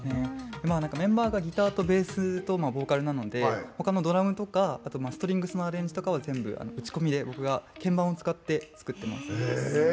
メンバーがギターとベースとボーカルなのでほかのドラムとかストリングスのアレンジとか全部、打ち込みで僕が鍵盤を使って、作ってます。